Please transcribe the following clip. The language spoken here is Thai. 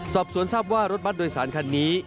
สอบสวนทราบว่ารถบัตรโดยสารคันนี้